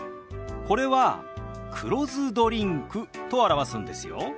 これは「黒酢ドリンク」と表すんですよ。